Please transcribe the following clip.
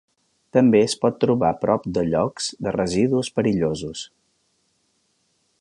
També es pot trobar prop de llocs de residus perillosos.